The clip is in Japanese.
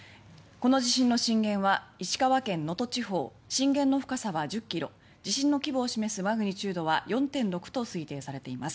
この地震の震源は石川県・能登半島震源の深さは１０ｋｍ地震の規模を示すマグニチュードは４．６と推定されています。